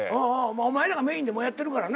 お前らがメインでもうやってるからなぁ。